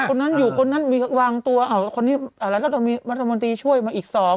คนนั้นอยู่คนนั้นวางตัวแล้วถ้ามีมัธมนตรีช่วยมาอีก๒บวก๓